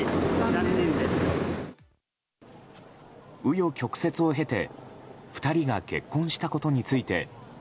紆余曲折を経て２人が結婚したことについて。